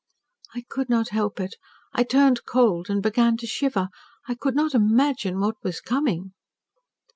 I could not help it I turned cold and began to shiver. I could not imagine what was coming."